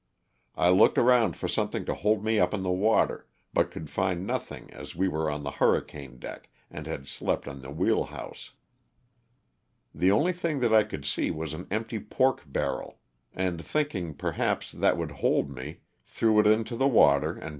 I looked around for something to hold me up in the water, but could find nothing as we were on the hurricane deck and had slept on the wheel house. The only thing that I could see was an empty pork barrel, and thinking, per haps, that would hold me, threw it into the water and LOSS OF THE SULTANA.